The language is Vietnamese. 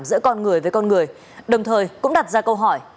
giữa con người với con người đồng thời cũng đặt ra câu hỏi